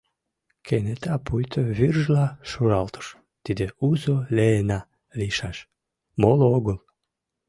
Кенета пуйто вӱржла шуралтыш: тиде Узо-Леэна лийшаш, моло огыл!